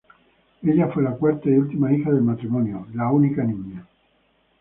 Ella fue la cuarta y última hija del matrimonio, la única niña.